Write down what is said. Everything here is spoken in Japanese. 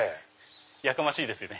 やかましいですよね。